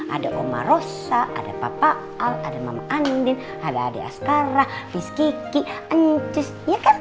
ada oma rosa ada papa al ada mama andin ada ade askara miss kiki ancus ya kan